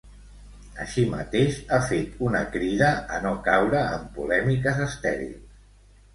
Així mateix, ha fet una crida a no caure en polèmiques estèrils.